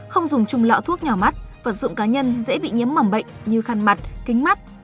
không dùng chung lọ thuốc nhỏ mắt vật dụng cá nhân dễ bị nhiễm mầm bệnh như khăn mặt kính mắt